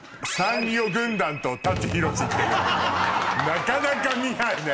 なかなか見ないね。